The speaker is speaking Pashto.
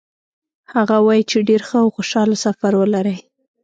هغه وایي چې ډېر ښه او خوشحاله سفر ولرئ.